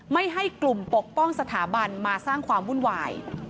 ไม่ให้กลุ่มปกป้องสถาบันมาสร้างความวุ่นวาย